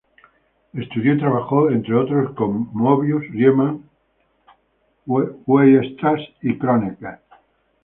Estudió y trabajó, entre otros, con Möbius, Riemann, Weierstrass y Kronecker.